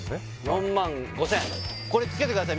４５０００円これつけてください